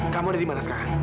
kamu ada di mana sekarang